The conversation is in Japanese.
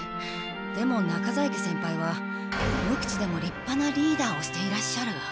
でも中在家先輩は無口でもりっぱなリーダーをしていらっしゃる。